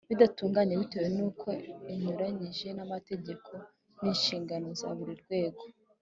bidatunganye bitewe n’uko inyuranyije n’amategeko n’inshingano za buri rwego